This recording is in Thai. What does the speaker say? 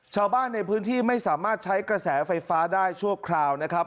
ชาวบ้านในพื้นที่ไม่สามารถใช้กระแสไฟฟ้าได้ชั่วคราวนะครับ